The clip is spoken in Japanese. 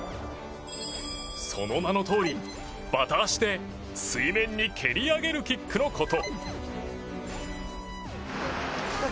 その名のとおり、バタ足で水面に蹴り上げるキックのこと。